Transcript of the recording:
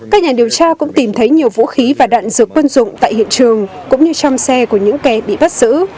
các nhà điều tra cũng tìm thấy nhiều vũ khí và đạn dược quân dụng tại hiện trường cũng như trong xe của những kẻ bị bắt giữ